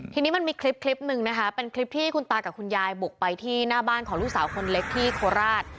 ทีนี้มันมีคลิปคลิปหนึ่งนะคะเป็นคลิปที่คุณตากับคุณยายบุกไปที่หน้าบ้านของลูกสาวคนเล็กที่โคราช